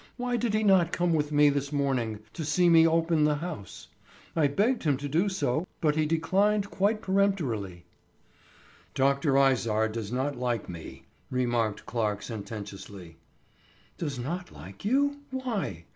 Why did he not come with me this morning to see me open the house? I begged him to do so but he declined quite peremptorily." "Dr. Izard does not like me," remarked Clarke sententiously. "Does not like you? Why?"